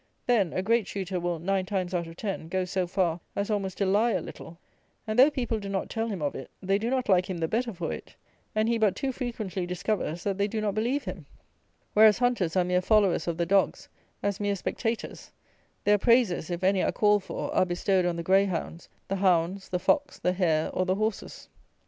Then, a great shooter will, nine times out of ten, go so far as almost to lie a little; and, though people do not tell him of it, they do not like him the better for it; and he but too frequently discovers that they do not believe him: whereas, hunters are mere followers of the dogs, as mere spectators; their praises, if any are called for, are bestowed on the greyhounds, the hounds, the fox, the hare, or the horses.